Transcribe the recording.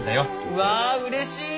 うわあうれしい！